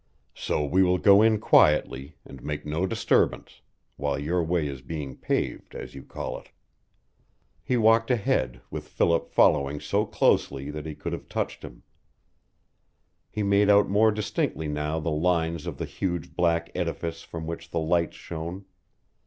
"So we will go in quietly, and make no disturbance, while your way is being paved, as you call it." He walked ahead, with Philip following so closely that he could have touched him. He made out more distinctly now the lines of the huge black edifice from which the lights shone.